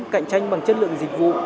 cạnh tranh bằng chất lượng dịch vụ